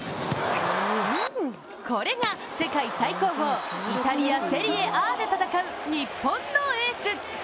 これが世界最高峰イタリア・セリエＡで戦う日本のエース。